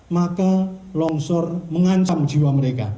maka longsor mengancam jiwa mereka